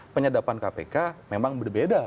penyedapan kpk memang berbeda